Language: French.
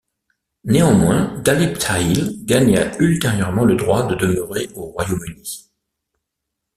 Néanmoins, Dalip Tahil gagna ultérieurement le droit de demeurer au Royaume-Uni.